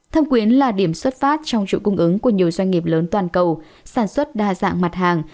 thâm quyến là điểm xuất phát trong chuỗi cung ứng của nhiều doanh nghiệp lớn toàn cầu sản xuất đa dạng mặt hàng